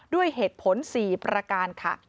ด้วยเหตุผล๔ประการค่ะ